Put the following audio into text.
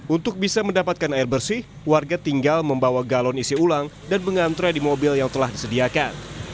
untuk bisa mendapatkan air bersih warga tinggal membawa galon isi ulang dan mengantre di mobil yang telah disediakan